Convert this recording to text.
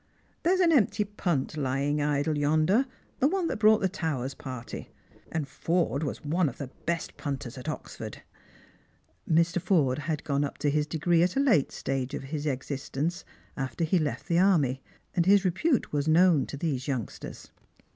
" There's an empty punt lying idle yonder, the one that brought the Towers party; and Forde was one of the best punters at Oxford." Mr. Forde had gone up for his degree at a late stage of his existence, after he left the army, and his repute was known tc these youngsters.